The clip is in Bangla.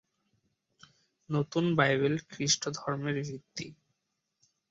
নতুন বাইবেল খ্রিস্ট ধর্মের ভিত্তি।